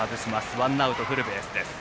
ワンアウト、フルベースです。